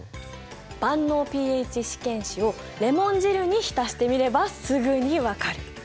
万能ｐＨ試験紙をレモン汁に浸してみればすぐに分かる！